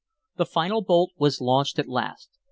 The final bolt was launched at last.